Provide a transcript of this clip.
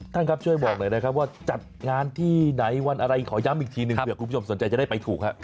ท่านครับช่วยบอกหน่อยนะครับว่าจัดงานที่ไหนวันอะไรขอย้ำอีกทีหนึ่งเผื่อคุณผู้ชมสนใจจะได้ไปถูกครับ